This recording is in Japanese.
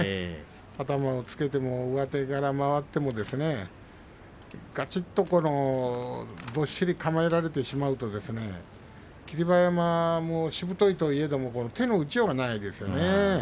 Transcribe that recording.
頭をつけても上手から回ってもがちっとどっしり構えられてしまうと霧馬山もしぶといといえども手の打ちようがないですね。